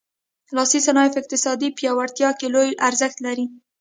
لاسي صنایع په اقتصادي پیاوړتیا کې لوی ارزښت لري.